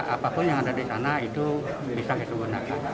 apapun yang ada di sana itu bisa digunakan